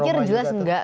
kami pikir jelas enggak